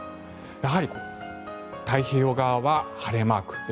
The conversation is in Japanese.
やはり太平洋側は晴れマーク。